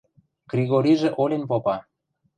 Кригорижӹ олен попа: